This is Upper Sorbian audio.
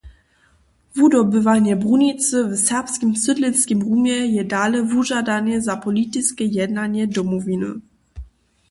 Wudobywanje brunicy w serbskim sydlenskim rumje je dale wužadanje za politiske jednanje Domowiny.